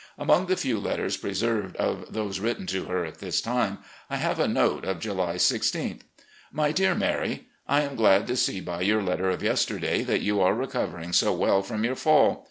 Among the few letters pre served of those written to her at this time, I have a note of July i6th: " My Dear Mary: I am glad to see by your letter of yes terday that you are recovering so well from your fall.